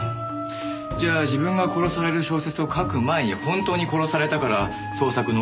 じゃあ自分が殺される小説を書く前に本当に殺されたから創作ノートだけが残った。